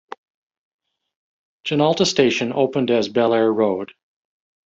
Genalta station opened as Belair Road.